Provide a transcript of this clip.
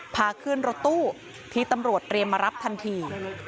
พาขึ้นรถตู้ที่ตำรวจเตรียมมารับทันที